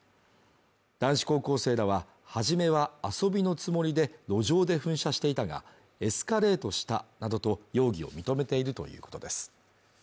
男子高校生らは、初めは遊びのつもりで、路上で噴射していたが、エスカレートしたなどと容疑を認めているということです。